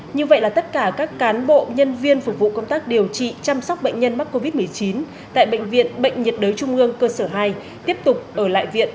như vậy là tất cả các cán bộ nhân viên phục vụ công tác điều trị chăm sóc bệnh nhân mắc covid một mươi chín tại bệnh viện bệnh nhiệt đới trung ương cơ sở hai tiếp tục ở lại viện